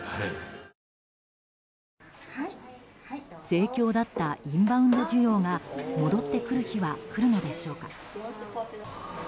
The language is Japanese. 盛況だったインバウンド需要が戻ってくる日は来るのでしょうか。